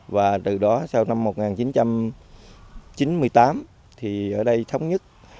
và từ đó sau năm một nghìn chín trăm chín mươi tám thì ở đây thống nhất